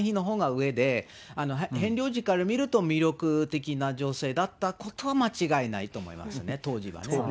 メーガン妃のほうが上で、ヘンリー王子から見ると魅力的な女性だったことは間違いないと思いますね、当時はね。